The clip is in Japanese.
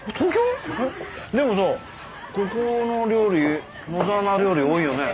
でもさここの料理野沢菜料理多いよね？